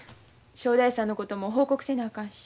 正太夫さんのことも報告せなあかんし。